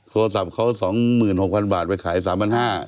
โทรศัพท์เขา๒๖๐๐๐บาทไปขาย๓๕๐๐บาท